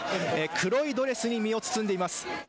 黒いドレスに身を包んでいます。